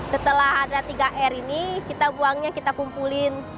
setelah ada tiga r ini kita buangnya kita kumpulin